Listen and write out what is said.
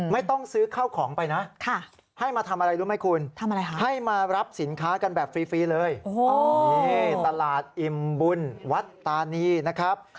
ไม่ต้องซื้อข้าวของไปนะให้มาทำอะไรรู้ไหมคุณให้มารับสินค้ากันแบบฟรีเลยนี่ตลาดอิ่มบุญวัดตานีนะครับ